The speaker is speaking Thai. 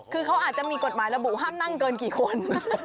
คือเขาอาจจะมีกฎหมายระบุห้ามนั่งเกินกี่คน